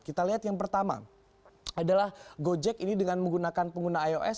kita lihat yang pertama adalah gojek ini dengan menggunakan pengguna ios